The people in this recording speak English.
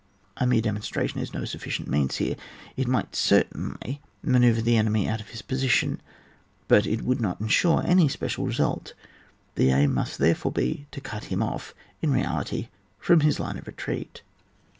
A mere demonstration is no sufficient means here ; it might certainly man oeuvre the enemy out of his position, but would not ensure any special result ; the aim must therefore be to cut him ofi^ in reality, from his line of retreat.